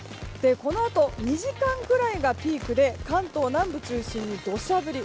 このあと、２時間くらいがピークで関東南部中心に土砂降り。